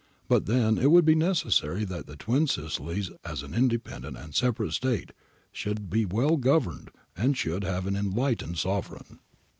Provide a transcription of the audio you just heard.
But then it APPENDIX A 311 would be necessary that the Two Sicilies as an independent and separate State should be well governed, and should have an enlightened Sovereign.